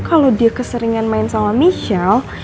gua tau tuh makanya